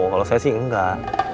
kalau saya sih enggak